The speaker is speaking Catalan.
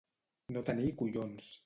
No tenir collons.